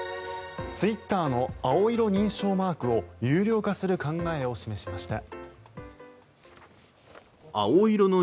ツイッターの青色認証マークを有料化する考えを示しました。